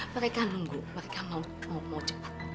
mereka nunggu mereka mau cepat